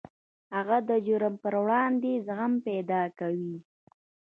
هغه د جرم پر وړاندې زغم پیدا کوي